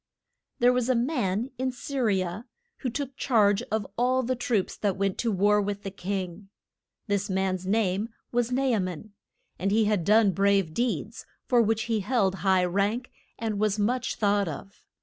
There was a man in Sy ri a, who took charge of all the troops that went to war with the king. This man's name was Na a man, and he had done brave deeds, for which he held high rank, and was much thought of.